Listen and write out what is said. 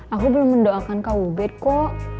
aku belum mendoakan kawubit kok